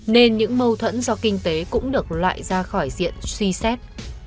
nên những mâu thuẫn do kinh tế cũng được loại ra khỏi diện suy xét